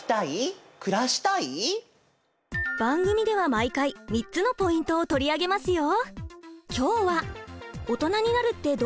番組では毎回３つのポイントを取り上げますよ。